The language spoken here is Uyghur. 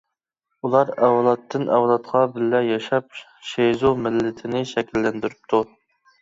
ئۇلار ئەۋلادتىن-ئەۋلادقا بىللە ياشاپ، شېزۇ مىللىتىنى شەكىللەندۈرۈپتۇ.